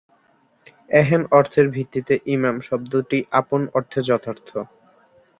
এহেন অর্থের ভিত্তিতে ‘ইমাম’ শব্দটি আপন অর্থে যথার্থ।